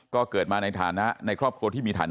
ก็เกิดมาในท้านนะมาครอบครกดที่มีท้านนะ